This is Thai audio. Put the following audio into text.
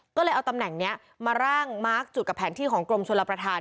ก็เลยเอาตำแหน่งนี้มาร่างมาร์คจุดกับแผนที่ของกรมชลประธาน